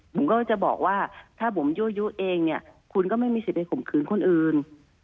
ผมก็จะบอกว่าถ้าผมยั่วยุเองเนี่ยคุณก็ไม่มีสิทธิ์ไปข่มขืนคนอื่น